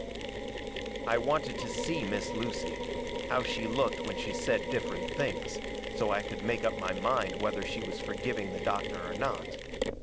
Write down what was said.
I wanted to see Miss Lucy how she looked when she said different things, so I could make up my mind whether she was forgiving the doctor or not.